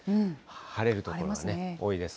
晴れる所多いです。